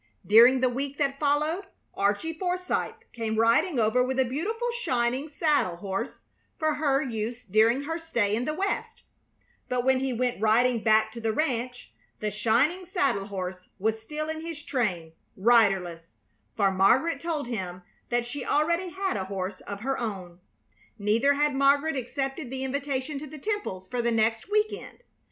During the week that followed Archie Forsythe came riding over with a beautiful shining saddle horse for her use during her stay in the West; but when he went riding back to the ranch the shining saddle horse was still in his train, riderless, for Margaret told him that she already had a horse of her own. Neither had Margaret accepted the invitation to the Temples' for the next week end.